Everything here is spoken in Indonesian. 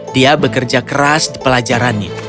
dia bekerja keras di pelajarannya